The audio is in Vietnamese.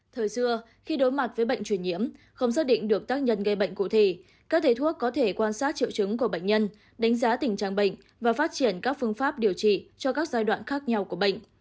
thời xưa khi đối mặt với bệnh truyền nhiễm không xác định được tác nhân gây bệnh cụ thể các thầy thuốc có thể quan sát triệu chứng của bệnh nhân đánh giá tình trạng bệnh và phát triển các phương pháp điều trị cho các giai đoạn khác nhau của bệnh